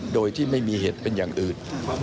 โดยที่ไม่มีเหตุเป็นอย่างอื่น